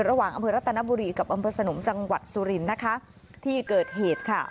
อำเภอรัตนบุรีกับอำเภอสนมจังหวัดสุรินทร์นะคะที่เกิดเหตุค่ะ